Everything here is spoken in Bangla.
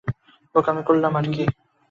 বোকামি করলাম আর কি!